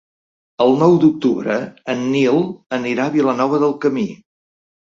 El nou d'octubre en Nil anirà a Vilanova del Camí.